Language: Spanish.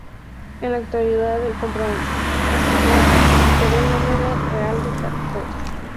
En la actualidad el compositor, recupero el nombre de real de catorce.